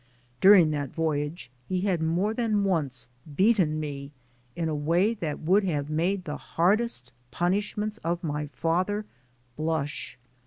During that voyage he had more than once beaten me in a way that would have made the hardest punishments of my father blush.